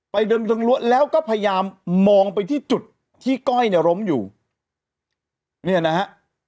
เดินตรงรั้วแล้วก็พยายามมองไปที่จุดที่ก้อยเนี่ยล้มอยู่เนี่ยนะฮะ